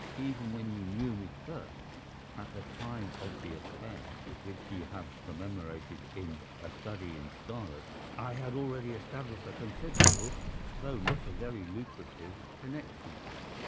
Even when you knew me first, at the time of the affair which you have commemorated in 'A Study in Scarlet,' I had already established a considerable, though not a very lucrative, connection.